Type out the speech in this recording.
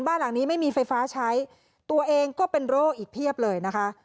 บ้านหลังนี้ไม่มีไฟฟ้าใช้ตัวเองก็เป็นโรคอีกเพียบเลยนะคะ